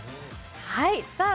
はいさあ